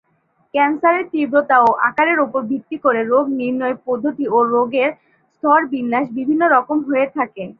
ক্যান্সারের তীব্রতা ও আকারের উপর ভিত্তি করে রোগ নির্ণয় পদ্ধতি ও রোগের স্তরবিন্যাস বিভিন্ন রকম হয়ে থাকে।